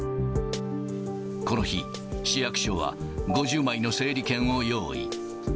この日、市役所は５０枚の整理券を用意。